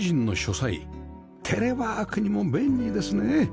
テレワークにも便利ですね